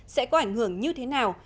sẽ có ảnh hưởng như thế nào